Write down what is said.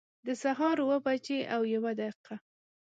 د سهار اوه بجي او یوه دقيقه